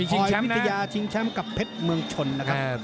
คอยวิทยาชิงแชมป์กับเพชรเมืองชนนะครับ